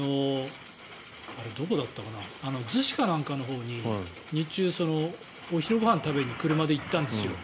どこだったかな逗子かなんかのほうに日中、お昼ご飯を食べに車で行ったんですよ。